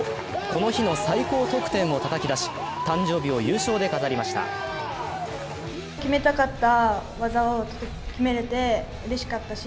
この日の最高得点をたたき出し、誕生日を優勝で飾りました。